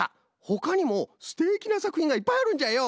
ほかにもすてきなさくひんがいっぱいあるんじゃよ。